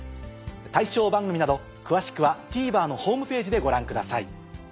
対象番組など詳しくはＴＶｅｒのホームページでご覧ください。